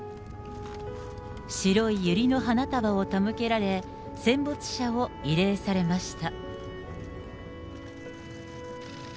白いゆりの花束を手向けられ、戦没者を慰霊されました。